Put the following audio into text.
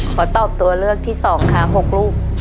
ขอตอบตัวเลือกที่๒ค่ะ๖ลูก